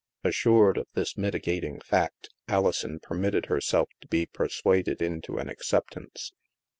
Assured of this mitigating fact, Alison permitted herself to be persuaded into an acceptance.